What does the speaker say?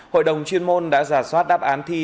hội đồng chuyên môn đã giả soát đáp án thi